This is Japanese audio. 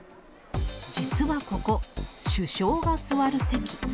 実はここ、首相が座る席。